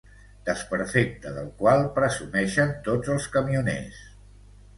Desperfecte del qual presumeixen tots els camioners.